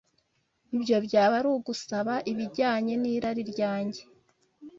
Ibyo byaba ari ugusaba ibijyanye n’irari ryanjye